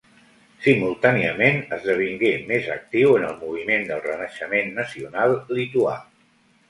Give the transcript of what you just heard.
Simultàniament esdevingué més actiu en el moviment del Renaixement nacional lituà.